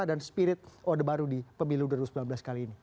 dan spirit ode baru di pemilu dua ribu sembilan belas kali ini